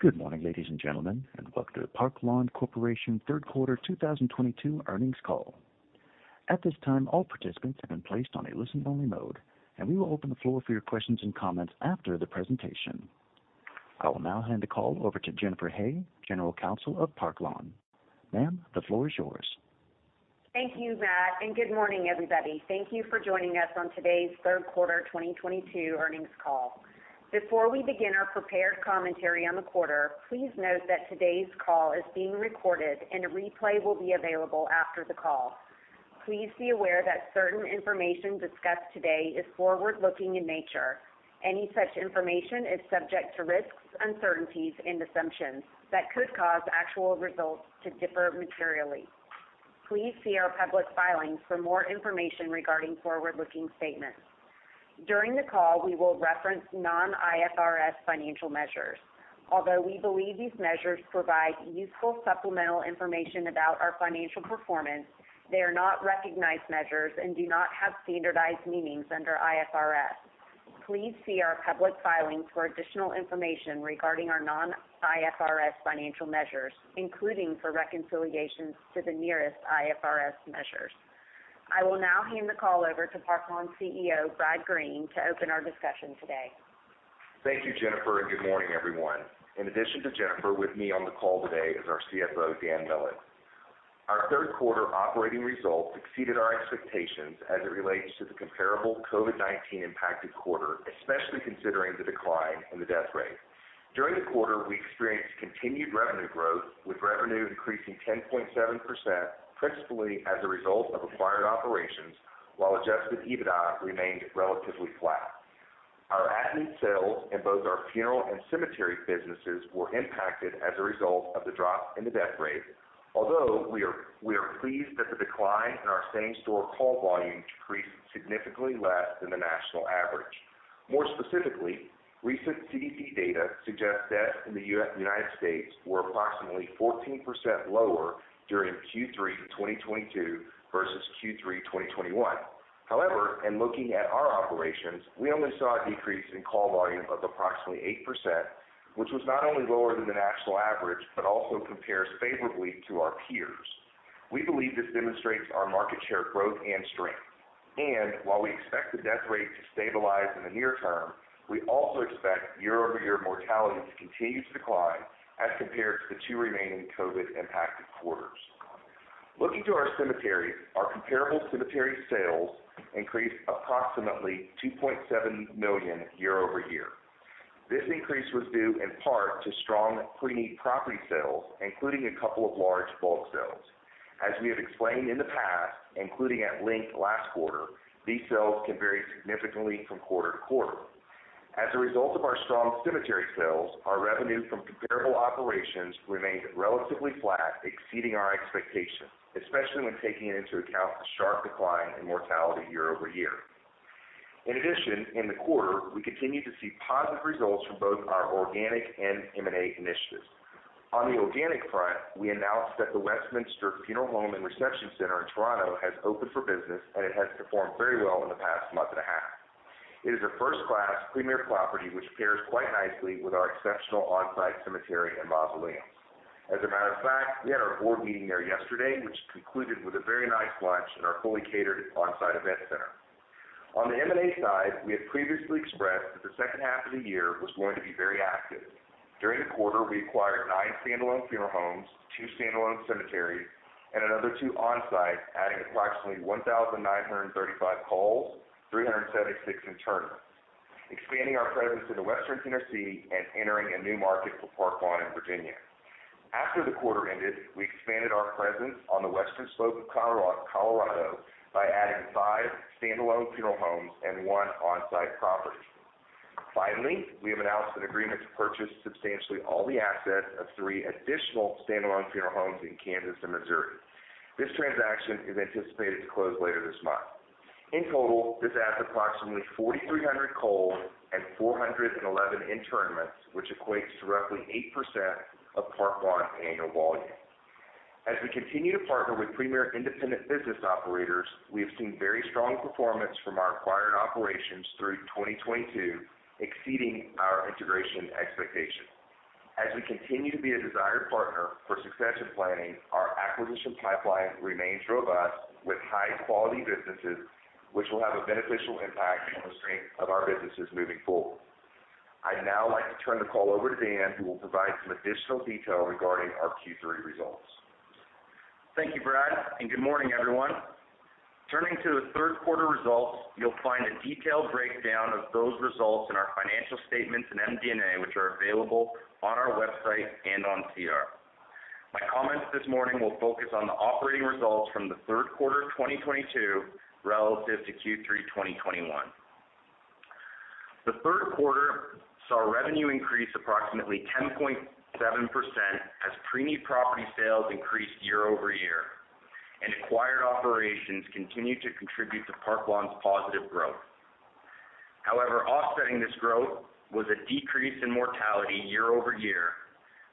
Good morning, ladies and gentlemen, and welcome to the Park Lawn Corporation Third Quarter 2022 Earnings Call. At this time, all participants have been placed on a listen-only mode, and we will open the floor for your questions and comments after the presentation. I will now hand the call over to Jennifer Hay, General Counsel of Park Lawn. Ma'am, the floor is yours. Thank you, Matt, and good morning, everybody. Thank you for joining us on today's Third Quarter 2022 Earnings Call. Before we begin our prepared commentary on the quarter, please note that today's call is being recorded and a replay will be available after the call. Please be aware that certain information discussed today is forward-looking in nature. Any such information is subject to risks, uncertainties and assumptions that could cause actual results to differ materially. Please see our public filings for more information regarding forward-looking statements. During the call, we will reference non-IFRS financial measures. Although we believe these measures provide useful supplemental information about our financial performance, they are not recognized measures and do not have standardized meanings under IFRS. Please see our public filings for additional information regarding our non-IFRS financial measures, including for reconciliations to the nearest IFRS measures. I will now hand the call over to Park Lawn CEO, Brad Green, to open our discussion today. Thank you, Jennifer, and good morning, everyone. In addition to Jennifer, with me on the call today is our CFO, Dan Millett. Our third quarter operating results exceeded our expectations as it relates to the comparable COVID-19 impacted quarter, especially considering the decline in the death rate. During the quarter, we experienced continued revenue growth, with revenue increasing 10.7% principally as a result of acquired operations while Adjusted EBITDA remained relatively flat. Our at-need sales in both our funeral and cemetery businesses were impacted as a result of the drop in the death rate. Although we are pleased that the decline in our same-store call volume decreased significantly less than the national average. More specifically, recent CDC data suggests deaths in the United States were approximately 14% lower during Q3 2022 versus Q3 2021. However, in looking at our operations, we only saw a decrease in call volume of approximately 8%, which was not only lower than the national average, but also compares favorably to our peers. We believe this demonstrates our market share growth and strength. While we expect the death rate to stabilize in the near term, we also expect year-over-year mortality to continue to decline as compared to the two remaining COVID-impacted quarters. Looking to our cemetery, our comparable cemetery sales increased approximately 2.7 million year-over-year. This increase was due in part to strong pre-need property sales, including a couple of large bulk sales. As we have explained in the past, including at length last quarter, these sales can vary significantly from quarter to quarter. As a result of our strong cemetery sales, our revenue from comparable operations remained relatively flat, exceeding our expectations, especially when taking into account the sharp decline in mortality year-over-year. In addition, in the quarter, we continued to see positive results from both our organic and M&A initiatives. On the organic front, we announced that the Westminster Funeral & Reception Centre in Toronto has opened for business, and it has performed very well in the past month and a half. It is a first-class premier property which pairs quite nicely with our exceptional on-site cemetery and mausoleum. As a matter of fact, we had our board meeting there yesterday, which concluded with a very nice lunch in our fully catered on-site event center. On the M&A side, we have previously expressed that the second half of the year was going to be very active. During the quarter, we acquired nine standalone funeral homes, two standalone cemeteries and another two on-site, adding approximately 1,935 calls, 376 internments, expanding our presence into Western Tennessee and entering a new market for Park Lawn in Virginia. After the quarter ended, we expanded our presence on the Western Slope of Colorado by adding five standalone funeral homes and one on-site property. Finally, we have announced an agreement to purchase substantially all the assets of three additional standalone funeral homes in Kansas and Missouri. This transaction is anticipated to close later this month. In total, this adds approximately 4,300 calls and 411 internments, which equates to roughly 8% of Park Lawn's annual volume. As we continue to partner with premier independent business operators, we have seen very strong performance from our acquired operations through 2022, exceeding our integration expectations. As we continue to be a desired partner for succession planning, our acquisition pipeline remains robust with high-quality businesses, which will have a beneficial impact on the strength of our businesses moving forward. I'd now like to turn the call over to Dan, who will provide some additional detail regarding our Q3 results. Thank you, Brad, and good morning, everyone. Turning to the third quarter results, you'll find a detailed breakdown of those results in our financial statements in MD&A, which are available on our website and on SEDAR. My comments this morning will focus on the operating results from the third quarter of 2022 relative to Q3 2021. The third quarter saw revenue increase approximately 10.7% as pre-need property sales increased year-over-year, and acquired operations continued to contribute to Park Lawn's positive growth. However, offsetting this growth was a decrease in mortality year-over-year,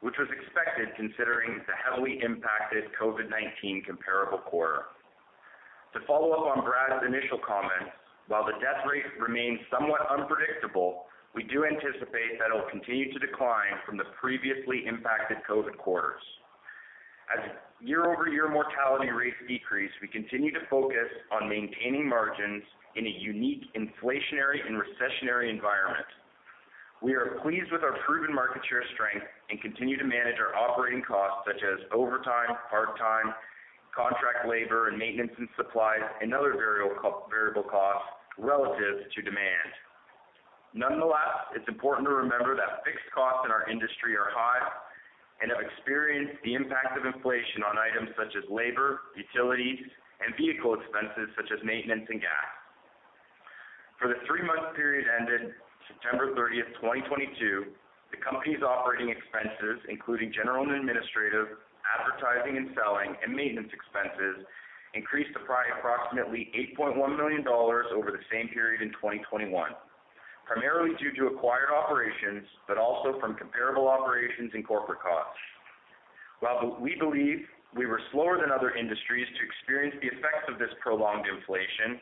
which was expected considering the heavily impacted COVID-19 comparable quarter. To follow up on Brad's initial comments, while the death rate remains somewhat unpredictable, we do anticipate that it will continue to decline from the previously impacted COVID quarters. As year-over-year mortality rates decrease, we continue to focus on maintaining margins in a unique inflationary and recessionary environment. We are pleased with our proven market share strength and continue to manage our operating costs such as overtime, part-time, contract labor, and maintenance and supplies and other variable costs relative to demand. Nonetheless, it's important to remember that fixed costs in our industry are high and have experienced the impact of inflation on items such as labor, utilities, and vehicle expenses such as maintenance and gas. For the three-month period ended September 30, 2022, the company's operating expenses, including general and administrative, advertising and selling, and maintenance expenses, increased by approximately 8.1 million dollars over the same period in 2021, primarily due to acquired operations but also from comparable operations and corporate costs. While we believe we were slower than other industries to experience the effects of this prolonged inflation,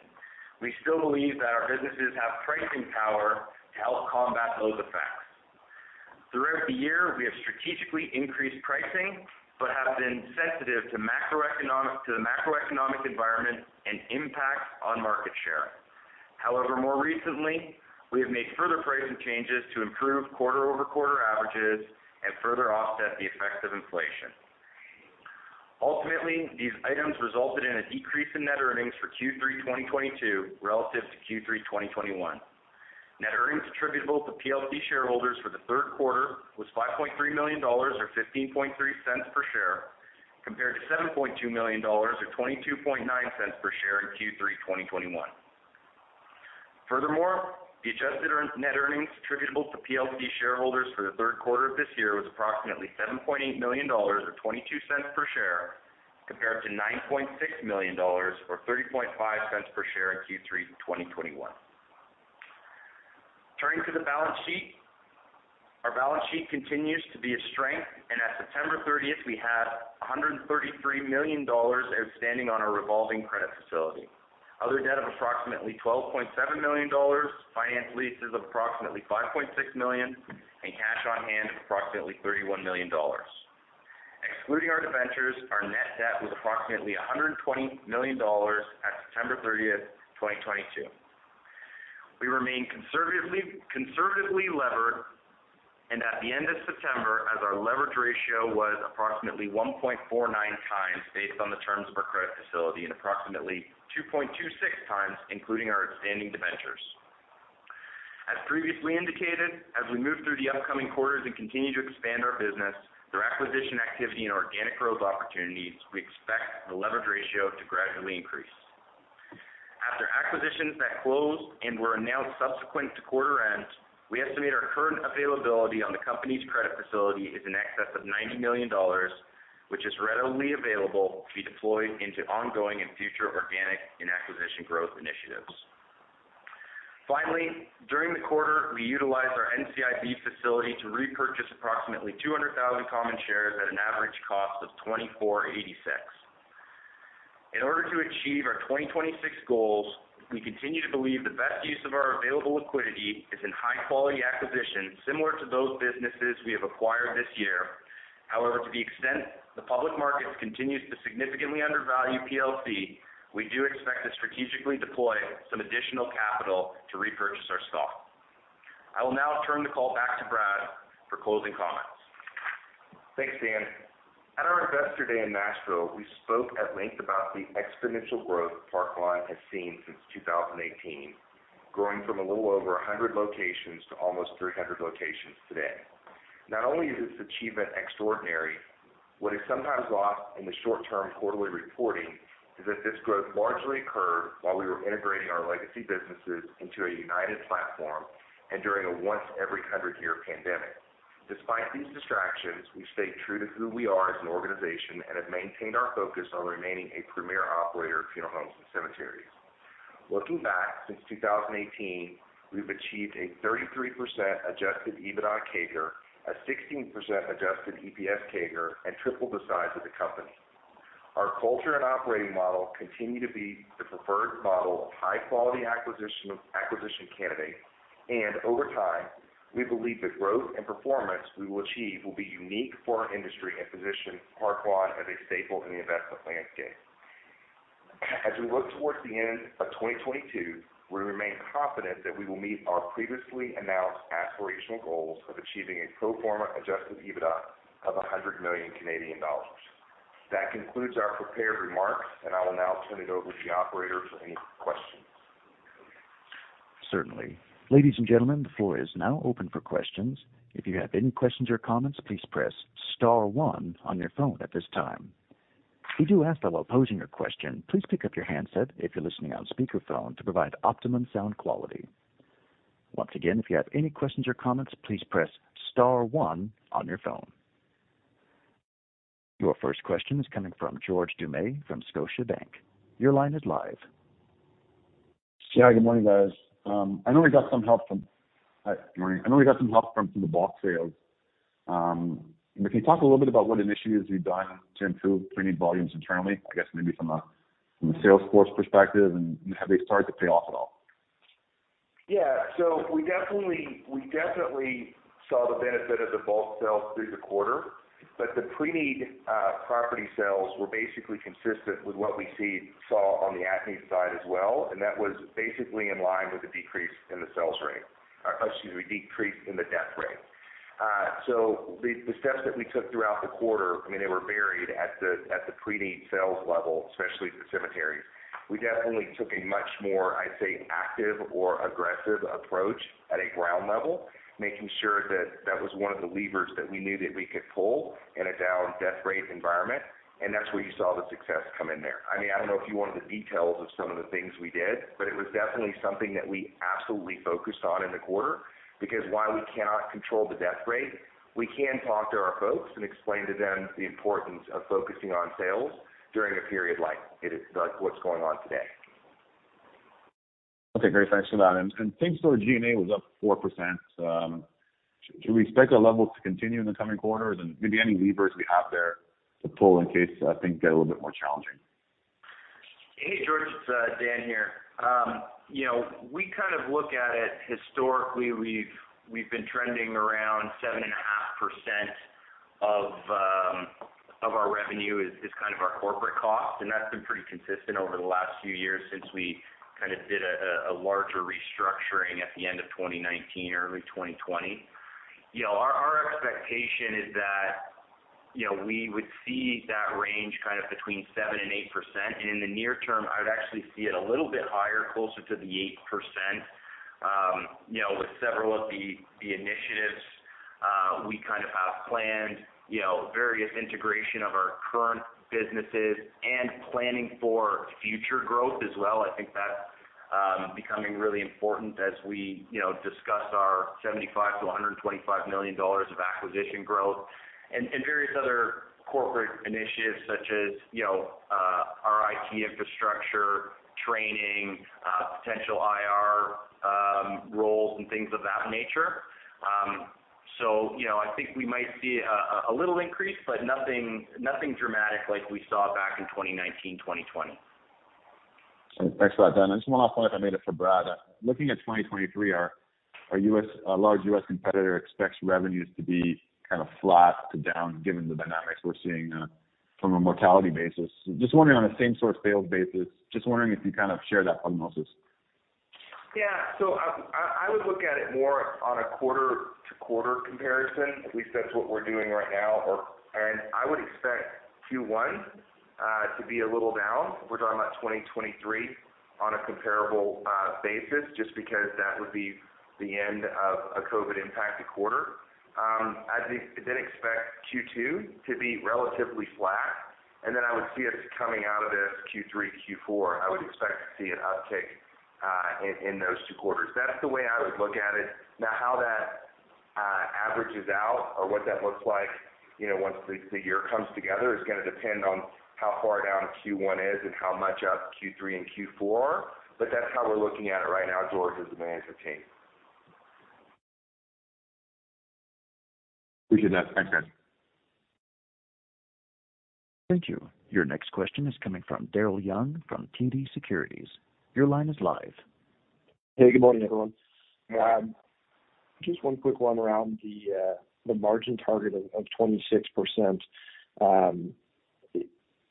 we still believe that our businesses have pricing power to help combat those effects. Throughout the year, we have strategically increased pricing but have been sensitive to the macroeconomic environment and impact on market share. However, more recently, we have made further pricing changes to improve quarter-over-quarter averages and further offset the effects of inflation. Ultimately, these items resulted in a decrease in net earnings for Q3 2022 relative to Q3 2021. Net earnings attributable to PLC shareholders for the third quarter was 5.3 million dollars or 0.153 per share, compared to 7.2 million dollars or 0.229 per share in Q3 2021. Furthermore, the net earnings attributable to PLC shareholders for the third quarter of this year was approximately 7.8 million dollars or 0.22 per share, compared to 9.6 million dollars or 0.305 per share in Q3 2021. Turning to the balance sheet. Our balance sheet continues to be a strength, and at September 30, we had 133 million dollars outstanding on our revolving credit facility. Other debt of approximately 12.7 million dollars, finance leases of approximately 5.6 million, and cash on hand of approximately 31 million dollars. Excluding our debentures, our net debt was approximately 120 million dollars at September 30, 2022. We remain conservatively levered and at the end of September, as our leverage ratio was approximately 1.49x based on the terms of our credit facility and approximately 2.26x including our outstanding debentures. As previously indicated, as we move through the upcoming quarters and continue to expand our business through acquisition activity and organic growth opportunities, we expect the leverage ratio to gradually increase. After acquisitions that closed and were announced subsequent to quarter end, we estimate our current availability on the company's credit facility is in excess of 90 million dollars, which is readily available to be deployed into ongoing and future organic and acquisition growth initiatives. Finally, during the quarter, we utilized our NCIB facility to repurchase approximately 200,000 common shares at an average cost of 24.86. In order to achieve our 2026 goals, we continue to believe the best use of our available liquidity is in high-quality acquisitions similar to those businesses we have acquired this year. However, to the extent the public markets continues to significantly undervalue PLC, we do expect to strategically deploy some additional capital to repurchase our stock. I will now turn the call back to Brad for closing comments. Thanks, Dan. At our Investor Day in Nashville, we spoke at length about the exponential growth Park Lawn has seen since 2018, growing from a little over 100 locations to almost 300 locations today. Not only is this achievement extraordinary, what is sometimes lost in the short-term quarterly reporting is that this growth largely occurred while we were integrating our legacy businesses into a united platform and during a once every 100-year pandemic. Despite these distractions, we stayed true to who we are as an organization and have maintained our focus on remaining a premier operator of funeral homes and cemeteries. Looking back, since 2018, we've achieved a 33% Adjusted EBITDA CAGR, a 16% adjusted EPS CAGR, and tripled the size of the company. Our culture and operating model continue to be the preferred model of high-quality acquisition candidates, and over time, we believe the growth and performance we will achieve will be unique for our industry and position Park Lawn as a staple in the investment landscape. As we look towards the end of 2022, we remain confident that we will meet our previously announced aspirational goals of achieving a pro forma Adjusted EBITDA of 100 million Canadian dollars. That concludes our prepared remarks, and I will now turn it over to the operator for any questions. Certainly. Ladies and gentlemen, the floor is now open for questions. If you have any questions or comments, please press star one on your phone at this time. We do ask that while posing your question, please pick up your handset if you're listening on speakerphone to provide optimum sound quality. Once again, if you have any questions or comments, please press star one on your phone. Your first question is coming from George Doumet from Scotiabank. Your line is live. Yeah. Good morning, guys. I know we got some help from the bulk sales. Can you talk a little bit about what initiatives you've done to improve pre-need volumes internally? I guess maybe from a sales force perspective, and have they started to pay off at all? We definitely saw the benefit of the bulk sales through the quarter, but the pre-need property sales were basically consistent with what we saw on the Atkins side as well, and that was basically in line with the decrease in the death rate. The steps that we took throughout the quarter, I mean, they were varied at the pre-need sales level, especially at the cemeteries. We definitely took a much more, I'd say, active or aggressive approach at a ground level, making sure that that was one of the levers that we knew that we could pull in a down death rate environment, and that's where you saw the success come in there. I mean, I don't know if you wanted the details of some of the things we did, but it was definitely something that we absolutely focused on in the quarter. Because while we cannot control the death rate, we can talk to our folks and explain to them the importance of focusing on sales during a period like it is, like what's going on today. Okay, great. Thanks for that. Same-store G&A was up 4%. Should we expect that level to continue in the coming quarters? Maybe any levers we have there to pull in case things get a little bit more challenging? Hey, George Doumet, it's Dan Millett here. You know, we kind of look at it historically. We've been trending around 7.5% of our revenue is kind of our corporate cost, and that's been pretty consistent over the last few years since we kind of did a larger restructuring at the end of 2019 or early 2020. You know, our expectation is that you know, we would see that range kind of between 7%-8%, and in the near term, I would actually see it a little bit higher, closer to the 8%. You know, with several of the initiatives we kind of have planned, you know, various integration of our current businesses and planning for future growth as well. I think that's becoming really important as we, you know, discuss our $75 million-$125 million of acquisition growth. Various other corporate initiatives such as, you know, our IT infrastructure, training, potential IR roles and things of that nature. You know, I think we might see a little increase, but nothing dramatic like we saw back in 2019, 2020. Thanks for that, Dan. I just have one last one, if I may, for Brad. Looking at 2023, our large U.S. competitor expects revenues to be kind of flat to down given the dynamics we're seeing from a mortality basis. Just wondering on a same-store sales basis, just wondering if you kind of share that prognosis. Yeah. I would look at it more on a quarter-to-quarter comparison. At least that's what we're doing right now. I would expect Q1 to be a little down if we're talking about 2023 on a comparable basis, just because that would be the end of a COVID-impacted quarter. I'd then expect Q2 to be relatively flat. I would see us coming out of this Q3, Q4, I would expect to see an uptick in those two quarters. That's the way I would look at it. Now, how that averages out or what that looks like, you know, once the year comes together is gonna depend on how far down Q1 is and how much up Q3 and Q4 are. That's how we're looking at it right now, George, as the management team. Appreciate that. Thanks, guys. Thank you. Your next question is coming from Daryl Young from TD Securities. Your line is live. Hey, good morning, everyone. Just one quick one around the margin target of 26%.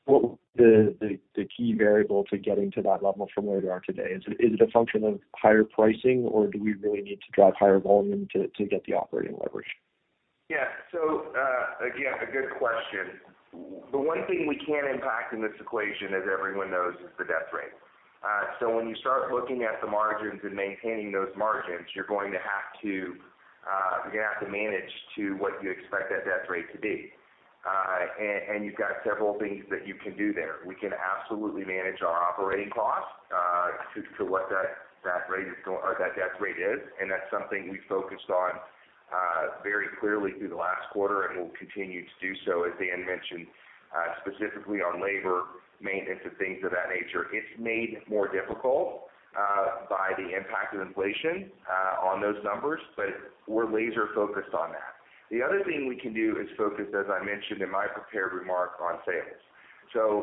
What would the key variable to getting to that level from where we are today? Is it a function of higher pricing, or do we really need to drive higher volume to get the operating leverage? Again, a good question. The one thing we can impact in this equation, as everyone knows, is the death rate. When you start looking at the margins and maintaining those margins, you're going to have to manage to what you expect that death rate to be. You've got several things that you can do there. We can absolutely manage our operating costs to what that death rate is, and that's something we focused on very clearly through the last quarter and will continue to do so, as Dan mentioned, specifically on labor, maintenance, and things of that nature. It's made more difficult by the impact of inflation on those numbers, but we're laser-focused on that. The other thing we can do is focus, as I mentioned in my prepared remarks, on sales.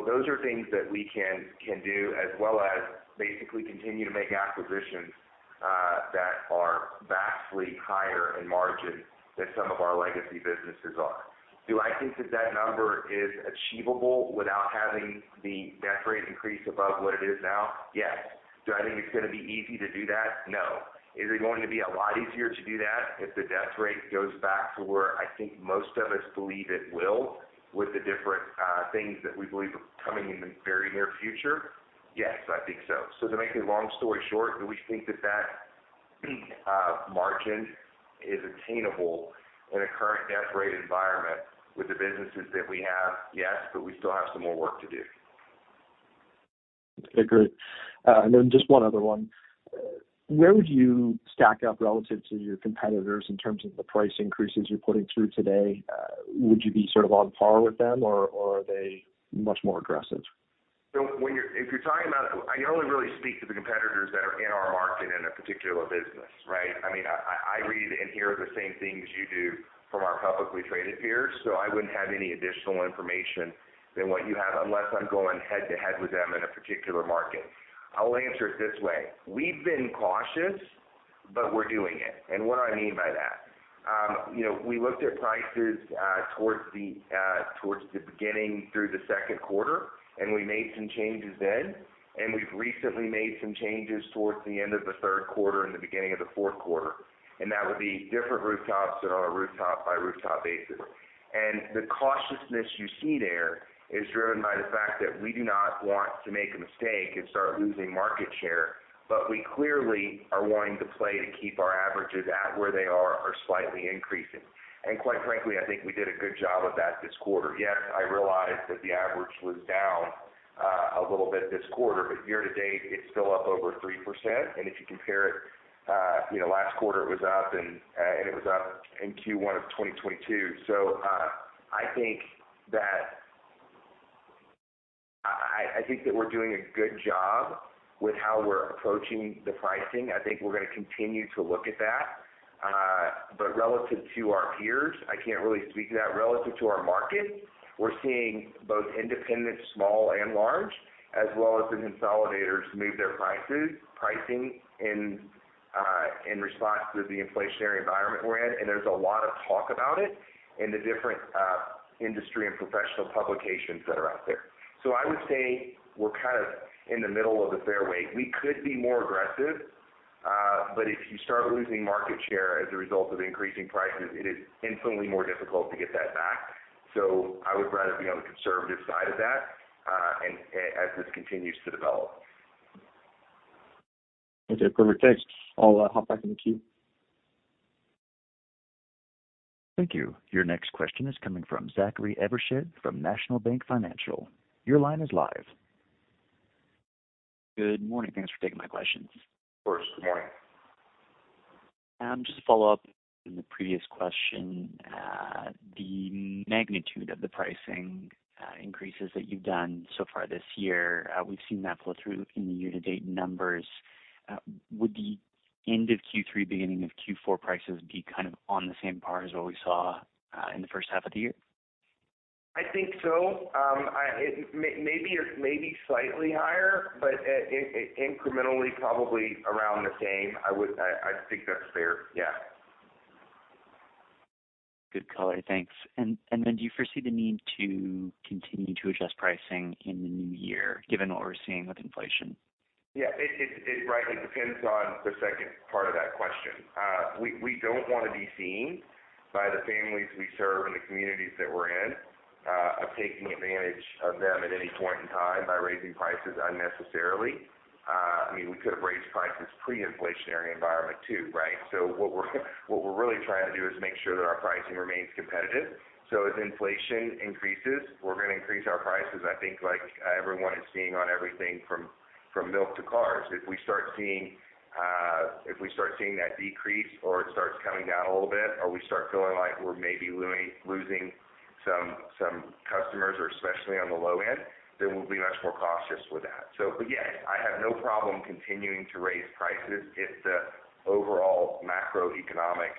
Those are things that we can do as well as basically continue to make acquisitions that are vastly higher in margin than some of our legacy businesses are. Do I think that number is achievable without having the death rate increase above what it is now? Yes. Do I think it's gonna be easy to do that? No. Is it going to be a lot easier to do that if the death rate goes back to where I think most of us believe it will with the different things that we believe are coming in the very near future? Yes, I think so. To make a long story short, do we think that margin is attainable in a current death rate environment with the businesses that we have? Yes, but we still have some more work to do. Okay, great. Just one other one. Where would you stack up relative to your competitors in terms of the price increases you're putting through today? Would you be sort of on par with them or are they much more aggressive? If you're talking about I only really speak to the competitors that are in our market in a particular business, right? I mean, I read and hear the same things you do from our publicly traded peers, so I wouldn't have any additional information than what you have unless I'm going head-to-head with them in a particular market. I'll answer it this way. We've been cautious, but we're doing it. What do I mean by that? You know, we looked at prices towards the beginning through the second quarter, and we made some changes then, and we've recently made some changes towards the end of the third quarter and the beginning of the fourth quarter. That would be different rooftops on a rooftop by rooftop basis. The cautiousness you see there is driven by the fact that we do not want to make a mistake and start losing market share. We clearly are wanting to play to keep our averages at where they are or slightly increasing. Quite frankly, I think we did a good job of that this quarter. Yes, I realize that the average was down a little bit this quarter, but year to date it's still up over 3%. If you compare it, last quarter it was up and it was up in Q1 of 2022. I think that I think that we're doing a good job with how we're approaching the pricing. I think we're gonna continue to look at that. But relative to our peers, I can't really speak to that. Relative to our market, we're seeing both independent, small and large, as well as the consolidators move their prices, pricing in response to the inflationary environment we're in. There's a lot of talk about it in the different industry and professional publications that are out there. I would say we're kind of in the middle of the fairway. We could be more aggressive, but if you start losing market share as a result of increasing prices, it is infinitely more difficult to get that back. I would rather be on the conservative side of that, and as this continues to develop. Okay, perfect. Thanks. I'll hop back in the queue. Thank you. Your next question is coming from Zachary Evershed from National Bank Financial. Your line is live. Good morning. Thanks for taking my questions. Of course. Good morning. Just to follow up on the previous question, the magnitude of the pricing increases that you've done so far this year, we've seen that flow through in the year-to-date numbers. Would the end of Q3, beginning of Q4 prices be kind of on the same par as what we saw in the first half of the year? I think so. Maybe or maybe slightly higher, but incrementally probably around the same. I think that's fair. Yeah. Good color. Thanks. Do you foresee the need to continue to adjust pricing in the new year given what we're seeing with inflation? Right. It depends on the second part of that question. We don't wanna be seen by the families we serve and the communities that we're in of taking advantage of them at any point in time by raising prices unnecessarily. I mean, we could have raised prices pre-inflationary environment too, right? What we're really trying to do is make sure that our pricing remains competitive. As inflation increases, we're gonna increase our prices. I think like everyone is seeing on everything from milk to cars. If we start seeing that decrease or it starts coming down a little bit or we start feeling like we're maybe losing some customers or especially on the low end, then we'll be much more cautious with that. Yes, I have no problem continuing to raise prices if the overall macroeconomic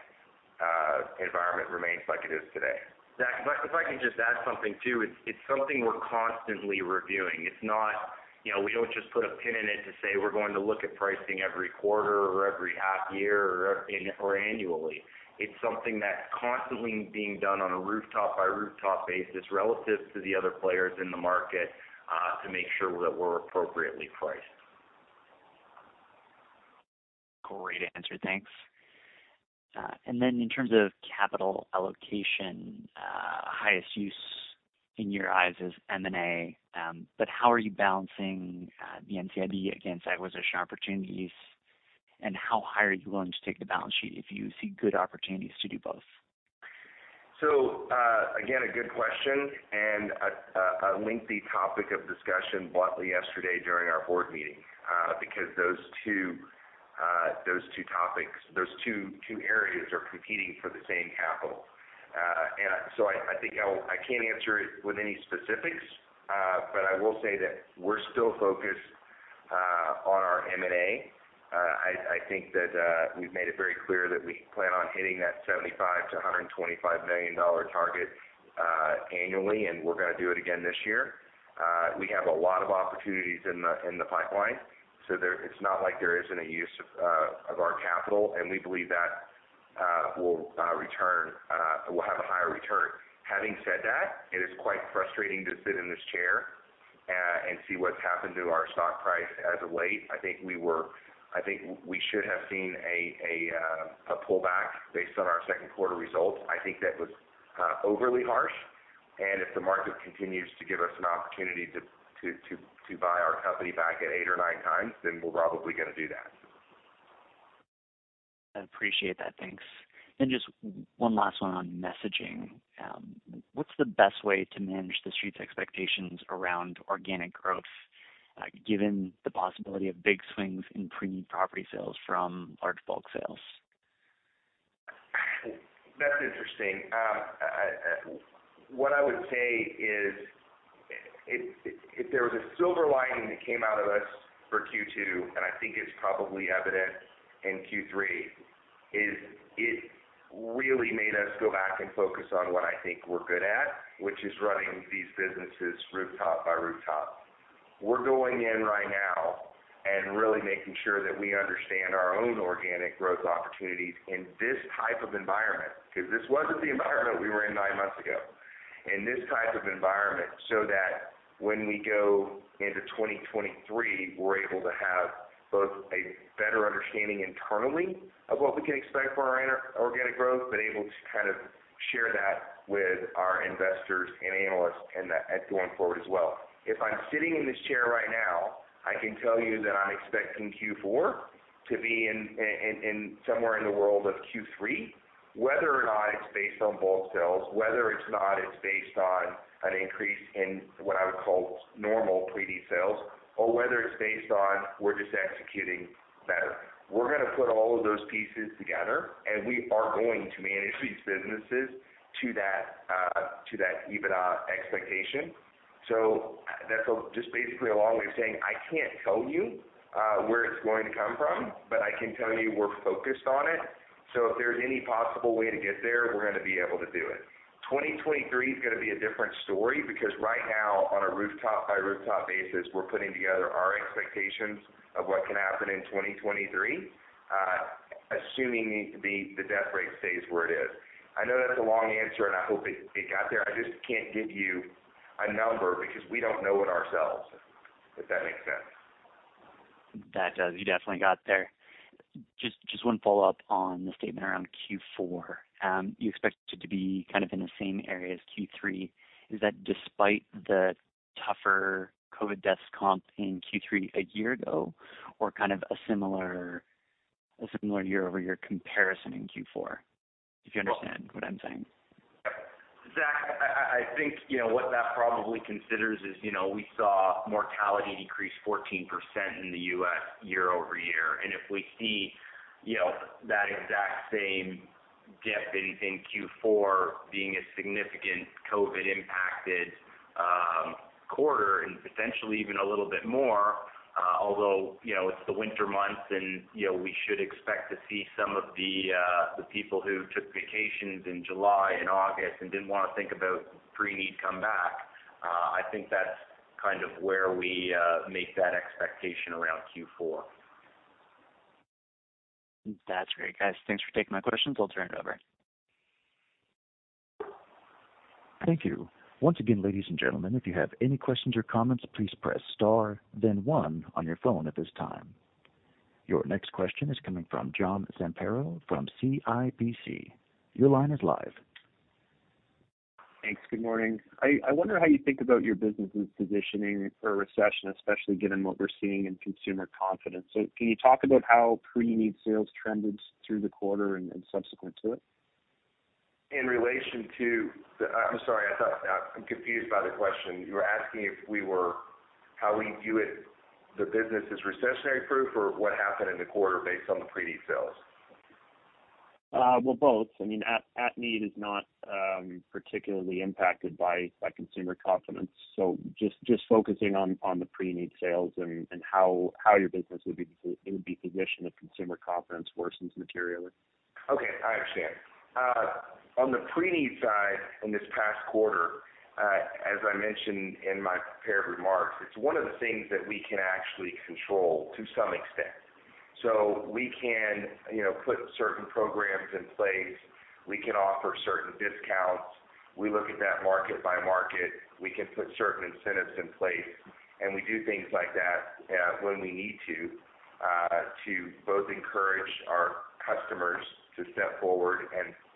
environment remains like it is today. Zach, if I can just add something too. It's something we're constantly reviewing. It's not, you know, we don't just put a pin in it to say we're going to look at pricing every quarter or every half year or annually. It's something that's constantly being done on a rooftop by rooftop basis relative to the other players in the market, to make sure that we're appropriately priced. Great answer. Thanks. In terms of capital allocation, highest use in your eyes is M&A. How are you balancing the NCIB against acquisition opportunities? How high are you willing to take the balance sheet if you see good opportunities to do both? Again, a good question and a lengthy topic of discussion bluntly yesterday during our board meeting, because those two topics, those two areas are competing for the same capital. I think I can't answer it with any specifics, but I will say that we're still focused on our M&A. I think that we've made it very clear that we plan on hitting that $75 million-$125 million target annually, and we're gonna do it again this year. We have a lot of opportunities in the pipeline, so it's not like there isn't a use of our capital, and we believe that will have a higher return. Having said that, it is quite frustrating to sit in this chair and see what's happened to our stock price as of late. I think we should have seen a pullback based on our second quarter results. I think that was overly harsh, and if the market continues to give us an opportunity to buy our company back at 8x or 9x, then we're probably gonna do that. I appreciate that. Thanks. Just one last one on messaging. What's the best way to manage the street's expectations around organic growth, given the possibility of big swings in pre-need property sales from large bulk sales? That's interesting. What I would say is if there was a silver lining that came out of this for Q2, and I think it's probably evident in Q3, is it really made us go back and focus on what I think we're good at, which is running these businesses rooftop by rooftop. We're going in right now and really making sure that we understand our own organic growth opportunities in this type of environment, 'cause this wasn't the environment we were in nine months ago. In this type of environment, so that when we go into 2023, we're able to have both a better understanding internally of what we can expect for in our organic growth, but able to kind of share that with our investors and analysts and that going forward as well. If I'm sitting in this chair right now, I can tell you that I'm expecting Q4 to be in somewhere in the world of Q3, whether or not it's based on bulk sales, whether it's based on an increase in what I would call normal pre-need sales, or whether it's based on we're just executing better. We're gonna put all of those pieces together, and we are going to manage these businesses to that EBITDA expectation. That's just basically a long way of saying, I can't tell you where it's going to come from, but I can tell you we're focused on it. If there's any possible way to get there, we're gonna be able to do it. 2023 is gonna be a different story because right now, on a rooftop by rooftop basis, we're putting together our expectations of what can happen in 2023, assuming the death rate stays where it is. I know that's a long answer, and I hope it got there. I just can't give you a number because we don't know it ourselves, if that makes sense. That does. You definitely got there. Just one follow-up on the statement around Q4. You expect it to be kind of in the same area as Q3. Is that despite the tougher COVID deaths comp in Q3 a year ago, or kind of a similar year-over-year comparison in Q4? If you understand what I'm saying. Zach, I think, you know, what that probably considers is, you know, we saw mortality decrease 14% in the U.S. year-over-year. If we see, you know, that exact same dip that you think Q4 being a significant COVID impacted quarter and potentially even a little bit more, although, you know, it's the winter months and, you know, we should expect to see some of the people who took vacations in July and August and didn't wanna think about pre-need come back, I think that's kind of where we make that expectation around Q4. That's great. Guys, thanks for taking my questions. I'll turn it over. Thank you. Once again, ladies and gentlemen, if you have any questions or comments, please press star then one on your phone at this time. Your next question is coming from John Zamparo from CIBC. Your line is live. Thanks. Good morning. I wonder how you think about your business' positioning for a recession, especially given what we're seeing in consumer confidence. Can you talk about how pre-need sales trended through the quarter and subsequent to it? I'm sorry. I'm confused by the question. You were asking if we were, how we view it, the business is recession-proof, or what happened in the quarter based on the pre-need sales? Well, both. I mean, at-need is not particularly impacted by consumer confidence. Just focusing on the pre-need sales and how your business would be positioned if consumer confidence worsens materially. Okay. I understand. On the pre-need side in this past quarter, as I mentioned in my prepared remarks, it's one of the things that we can actually control to some extent. We can, you know, put certain programs in place. We can offer certain discounts. We look at that market by market. We can put certain incentives in place, and we do things like that when we need to both encourage our customers to step forward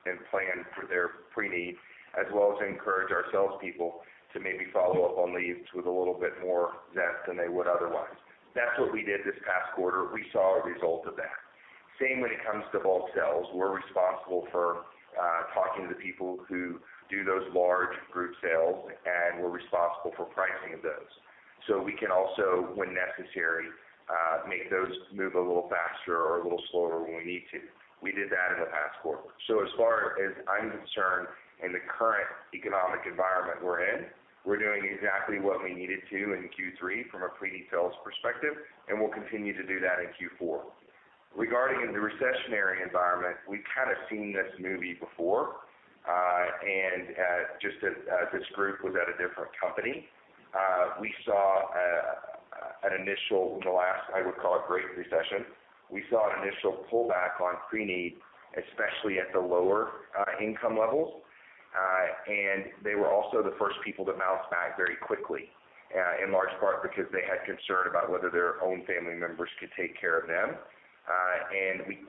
and plan for their pre-need, as well as encourage our salespeople to maybe follow up on leads with a little bit more zest than they would otherwise. That's what we did this past quarter. We saw a result of that. Same when it comes to bulk sales. We're responsible for talking to the people who do those large group sales, and we're responsible for pricing of those. We can also, when necessary, make those move a little faster or a little slower when we need to. We did that in the past quarter. As far as I'm concerned, in the current economic environment we're in, we're doing exactly what we needed to in Q3 from a pre-need sales perspective, and we'll continue to do that in Q4. Regarding the recessionary environment, we've kind of seen this movie before, and just as this group was at a different company, we saw the last, I would call it, great recession. We saw an initial pullback on pre-need, especially at the lower income levels. They were also the first people to bounce back very quickly, in large part because they had concern about whether their own family members could take care of them.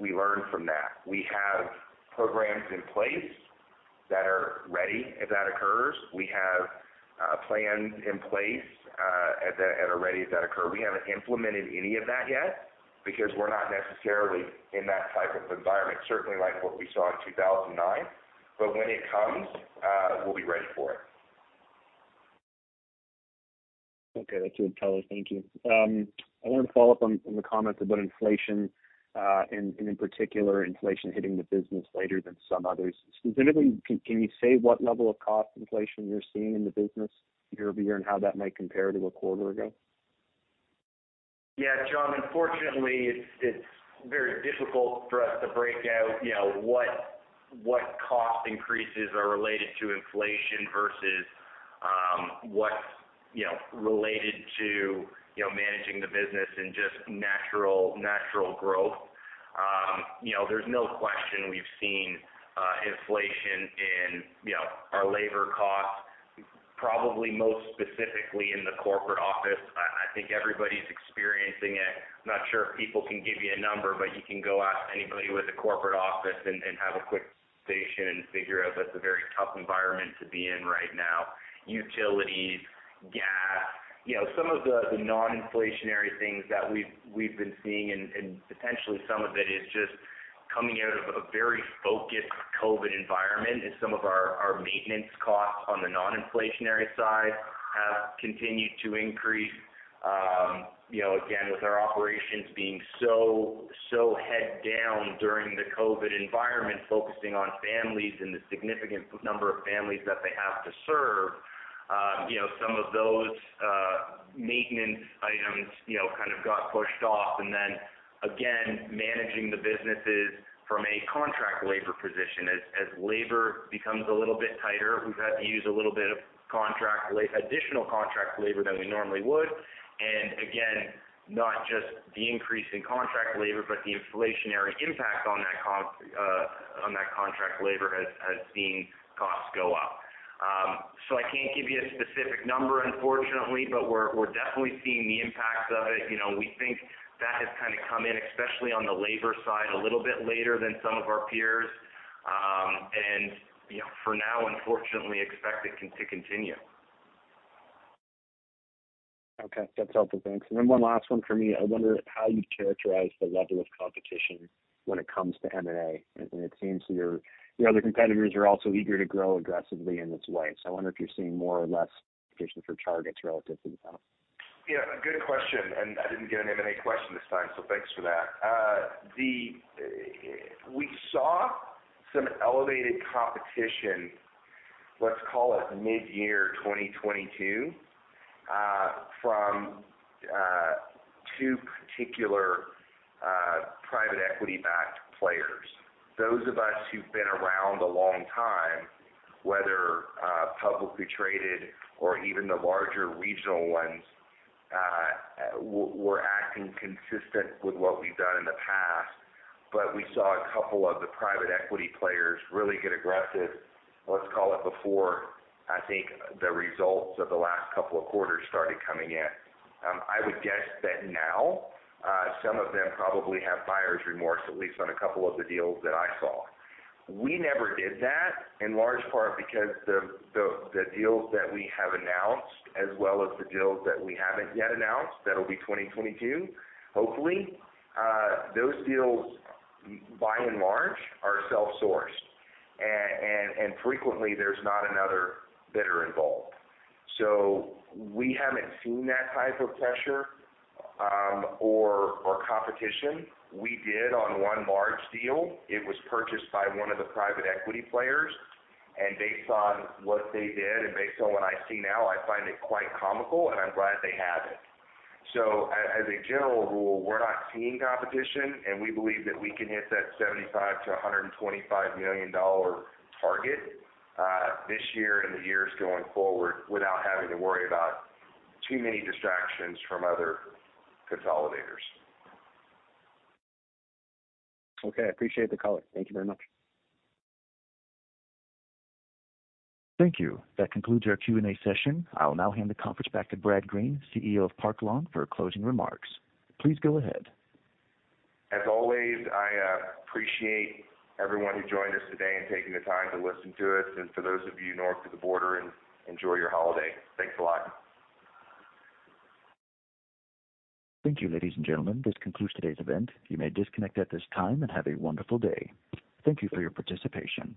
We learned from that. We have programs in place that are ready if that occurs. We have plans in place that are ready if that occur. We haven't implemented any of that yet because we're not necessarily in that type of environment, certainly like what we saw in 2009. When it comes, we'll be ready for it. Okay. That's really telling. Thank you. I wanna follow up on the comments about inflation, and in particular, inflation hitting the business later than some others. Specifically, can you say what level of cost inflation you're seeing in the business year-over-year and how that might compare to a quarter ago? Yeah, John, unfortunately, it's very difficult for us to break out, you know, what cost increases are related to inflation versus what's, you know, related to, you know, managing the business and just natural growth. You know, there's no question we've seen inflation in, you know, our labor costs, probably most specifically in the corporate office. I think everybody's experiencing it. I'm not sure if people can give you a number, but you can go ask anybody with a corporate office and have a quick conversation and figure out that's a very tough environment to be in right now. Utilities, gas, you know, some of the non-inflationary things that we've been seeing and potentially some of it is just coming out of a very focused COVID environment. Some of our maintenance costs on the non-inflationary side have continued to increase. You know, again, with our operations being so head down during the COVID environment, focusing on families and the significant number of families that they have to serve, you know, some of those maintenance items, you know, kind of got pushed off. Then again, managing the businesses from a contract labor position. As labor becomes a little bit tighter, we've had to use a little bit of additional contract labor than we normally would. Again, not just the increase in contract labor, but the inflationary impact on that contract labor has seen costs go up. So I can't give you a specific number unfortunately, but we're definitely seeing the impacts of it. You know, we think that has kinda come in, especially on the labor side, a little bit later than some of our peers. You know, for now, unfortunately expect it to continue. Okay. That's helpful. Thanks. One last one for me. I wonder how you'd characterize the level of competition when it comes to M&A. It seems your other competitors are also eager to grow aggressively in this way. I wonder if you're seeing more or less competition for targets relative to the past. Yeah, good question, and I didn't get an M&A question this time, so thanks for that. We saw some elevated competition, let's call it mid-year 2022, from two particular private equity backed players. Those of us who've been around a long time, whether publicly traded or even the larger regional ones, were acting consistent with what we've done in the past. We saw a couple of the private equity players really get aggressive, let's call it before, I think, the results of the last couple of quarters started coming in. I would guess that now, some of them probably have buyer's remorse, at least on a couple of the deals that I saw. We never did that, in large part because the deals that we have announced as well as the deals that we haven't yet announced, that'll be 2022, hopefully, those deals by and large are self-sourced. And frequently there's not another bidder involved. We haven't seen that type of pressure, or competition. We did on one large deal. It was purchased by one of the private equity players, and based on what they did and based on what I see now, I find it quite comical, and I'm glad they have it. As a general rule, we're not seeing competition, and we believe that we can hit that $75 million-$125 million target, this year and the years going forward without having to worry about too many distractions from other consolidators. Okay. I appreciate the color. Thank you very much. Thank you. That concludes our Q&A session. I'll now hand the conference back to Brad Green, CEO of Park Lawn, for closing remarks. Please go ahead. As always, I appreciate everyone who joined us today and taking the time to listen to us. For those of you north of the border, enjoy your holiday. Thanks a lot. Thank you, ladies and gentlemen. This concludes today's event. You may disconnect at this time, and have a wonderful day. Thank you for your participation.